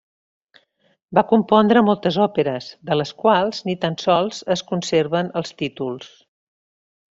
Va compondre moltes òperes, de les quals ni tan sols es conserven els títols.